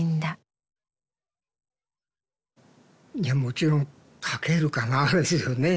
いやもちろん「書けるかな」ですよね。